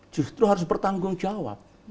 justru harus bertanggung jawab